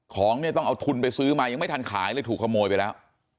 ของเนี่ยต้องเอาทุนไปซื้อมายังไม่ทันขายเลยถูกขโมยไปแล้ว